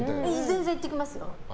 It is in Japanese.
全然言ってきますよ。